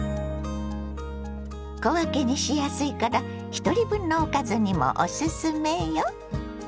小分けにしやすいからひとり分のおかずにもオススメよ！